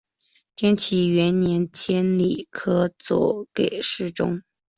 天启元年迁礼科左给事中。